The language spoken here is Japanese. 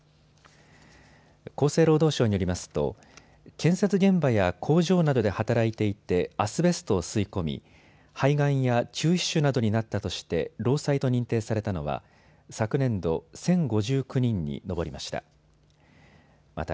厚生労働省によりますと建設現場や工場などで働いていてアスベストを吸い込み肺がんや中皮腫などになったとして労災と認定されたのは昨年度、１０５９人に上りました。